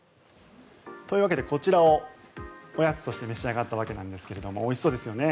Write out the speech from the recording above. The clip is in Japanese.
というわけでこちらをおやつとして召し上がったわけなんですがおいしそうですよね。